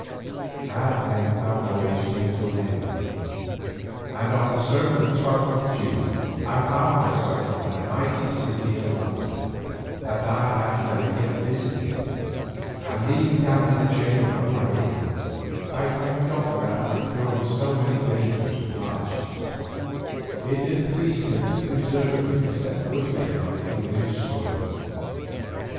At length our voyage came to an end, and on a certain twelfth of June I found myself in the mighty city of London that I had never yet visited, and kneeling down in the chamber of my inn, I thanked God that after enduring so many dangers and hardships, it had pleased Him to preserve me to set foot again on English soil.